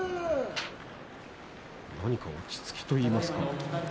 落ち着きといいますか。